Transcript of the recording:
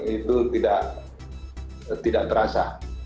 itu tidak terasa